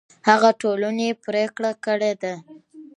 هغه ټولنې پرېکړه کړې ده